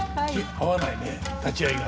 合わないね立ち合いが。